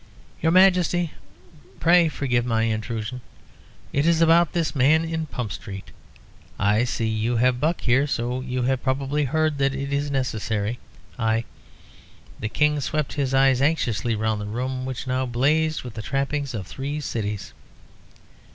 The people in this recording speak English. "Your Majesty pray forgive my intrusion. It is about this man in Pump Street. I see you have Buck here, so you have probably heard what is necessary. I " The King swept his eyes anxiously round the room, which now blazed with the trappings of three cities.